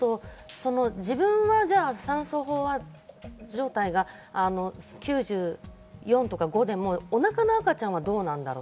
そうすると自分は酸素飽和状態が９４とか９５でも、お腹の赤ちゃんはどうなんだろう？